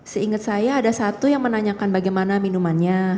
seingat saya ada satu yang menanyakan bagaimana minumannya